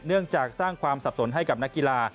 จากสร้างความสับสนให้กับนักกีฬา